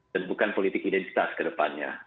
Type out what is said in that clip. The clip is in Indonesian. dan bukan politik identitas ke depannya